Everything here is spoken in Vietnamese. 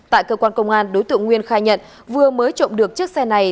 tại cơ quan công an đối tượng nguyên khai nhận vừa mới trộm được chiếc xe này